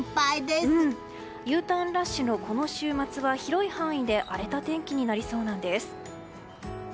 Ｕターンラッシュのこの週末は広い範囲で荒れた天気になりそうなんです。